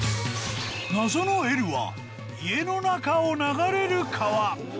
謎のＬは家の中を流れる川川。